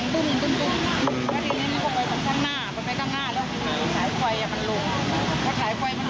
เขาไม่เชื่อ